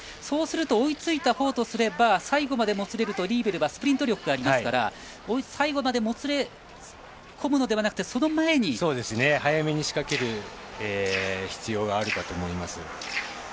そうすると追いついたほうとすれば最後まで、もつれるとリーベルはスプリント力がありますから最後までもつれ込むのではなく早めに仕掛ける必要があるかと思います。